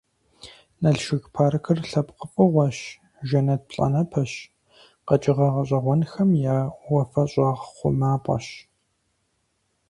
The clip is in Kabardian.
Налшык паркыр лъэпкъ фӀыгъуэщ, жэнэт плӀанэпэщ, къэкӀыгъэ гъэщӀэгъуэнхэм я «уафэщӀагъ хъумапӀэщ».